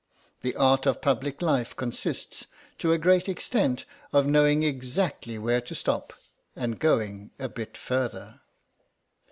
The art of public life consists to a great extent of knowing exactly where to stop and going a bit further.